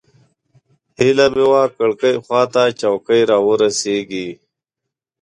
هیله مې وه کړکۍ خوا ته چوکۍ راورسېږي.